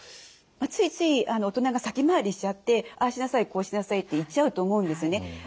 ついつい大人が先回りしちゃってああしなさいこうしなさいって言っちゃうと思うんですよね。